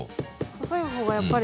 細い方がやっぱり。